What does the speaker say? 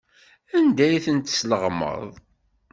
Anda ay ten-tesleɣmaḍ?